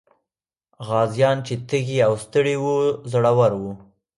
غازيان چې تږي او ستړي وو، زړور وو.